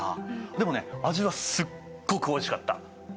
でもね味はすっごくおいしかった。